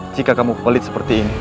jika kamu pelit seperti ini